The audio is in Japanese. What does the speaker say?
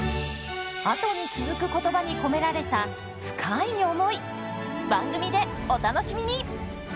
あとに続く言葉に込められた深い思い番組でお楽しみに！